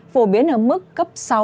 phổ biến ở mức cấp sáu